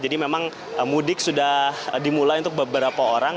jadi memang mudik sudah dimulai untuk beberapa orang